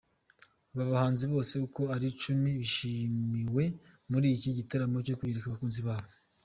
Aba bahanzi bose uko ari icumi bishimiwe muri iki gitaramo cyo kwiyereka abakunzi babo.